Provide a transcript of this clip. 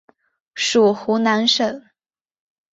属湖南省。